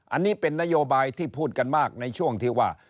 อันนี้เป็นนโยบายที่พูดกันมากในช่วงที่ว่า